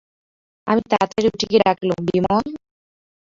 আমি তাড়তাড়ি উঠে গিয়ে ডাকলুম, বিমল!